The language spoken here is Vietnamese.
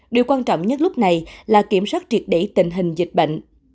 điều quan trọng nhất lúc này là kiểm soát triệt để tình hình dịch bệnh